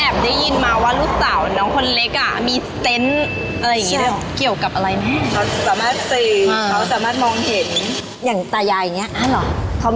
แอบได้ยินมายังว่าน้องคนเล็กมีเครื่องค้น